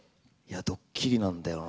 ドッキリなんだよな